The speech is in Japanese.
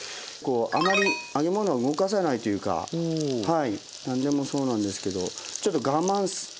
あまり揚げ物は動かさないというか何でもそうなんですけどちょっと我慢。